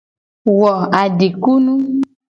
Wo adikunu.